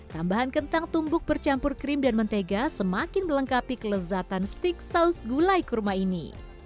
tambahan kentang tumbuk bercampur krim dan mentega semakin melengkapi kelezatan steak saus gulai kurma ini